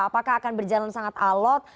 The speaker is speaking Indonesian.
apakah akan berjalan sangat alot